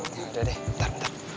udah deh bentar bentar